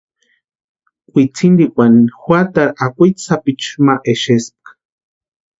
Wintsintikwani juatarhu akwitsi sapichuni ma exespka.